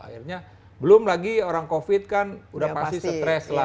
akhirnya belum lagi orang covid kan udah pasti stres lah